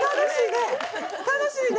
楽しいね。